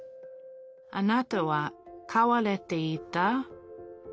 あなたは飼われていた？